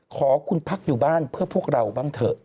ขอคุณพักอยู่บ้านเพื่อพวกเราบ้างเถอะ